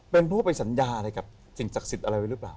เป็นผู้ไปสัญญาอะไรกับสิ่งศักดิ์สิทธิ์อะไรไว้หรือเปล่า